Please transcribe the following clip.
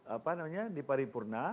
apa namanya di paripurna